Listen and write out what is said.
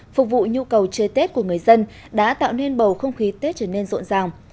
phục vụ nhu cầu chơi tết của người dân đã tạo nên bầu không khí tết trở nên rộn ràng